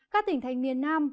các tỉnh thành niên nam